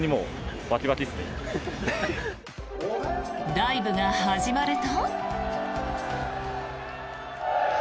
ライブが始まると。